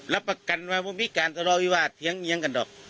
รับประกันว่าไม่มีการตลอดวิวาสเดี๋ยวเงียงกันดอก